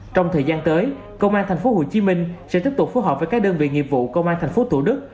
trong thời gian tới công an tp hcm sẽ tiếp tục phù hợp với các đơn vị nghiệp vụ công an tp thủ đức